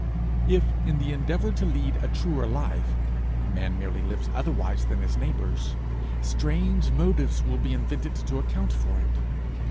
If, in the endeavour to lead a truer life, a man merely lives otherwise than his neighbours, strange motives will be invented to account for it.